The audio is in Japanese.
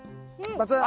バツン。